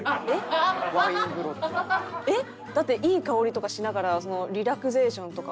えっ？だっていい香りとかしながらリラクゼーションとか。